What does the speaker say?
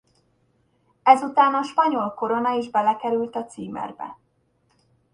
Ezután a spanyol korona is belekerült a címerbe.